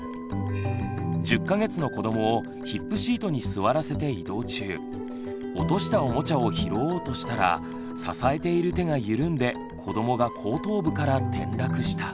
１０か月の子どもをヒップシートに座らせて移動中落としたおもちゃを拾おうとしたら支えている手が緩んで子どもが後頭部から転落した。